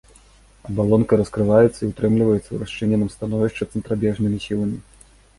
Абалонка раскрываецца і ўтрымліваецца ў расчыненым становішчы цэнтрабежнымі сіламі.